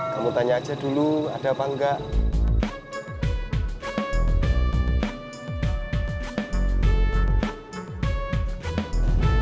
kamu tanya aja dulu ada apa enggak